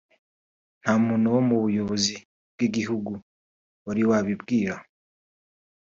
nta muntu wo mu buyobozi bw’igihugu wari wabimbwira”